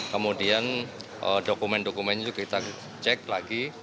kemudian dokumen dokumen itu kita cek lagi